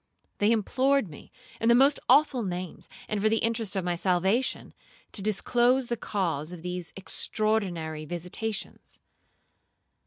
They implored me, in the most awful names, and for the interests of my salvation, to disclose the cause of these extraordinary visitations.